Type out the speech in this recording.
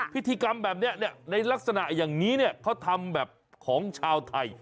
พิธีกรรมแบบนี้ในลักษณะอย่างนี้เขาทำแบบของชาวไทย